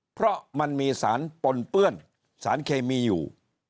เพราะมันมีสารปนเปื้อนสารเคมีอยู่